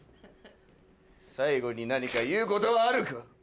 最後に何か言うことはあるか？